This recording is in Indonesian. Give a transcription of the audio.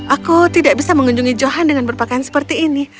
aku tidak bisa mengunjungi johan dengan berpakaian seperti ini